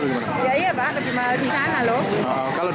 selisihnya berapa tuh